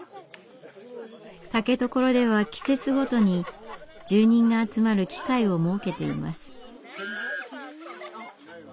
竹所では季節ごとに住人が集まる機会を設けています。